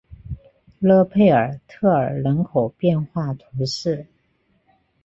勒佩尔特尔人口变化图示